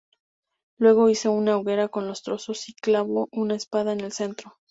Luego hizo una hoguera con los troncos y clavó una espada en el centro.